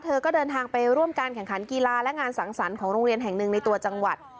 เธอก็เดินทางไปร่วมการแข่งขันกีฬาและงานสังสรรค์ของโรงเรียนแห่งหนึ่งในตัวจังหวัด